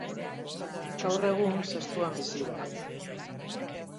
Gaur egun Zestoan bizi da.